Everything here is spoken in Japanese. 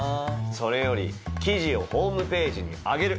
それより記事をホームページにあげる。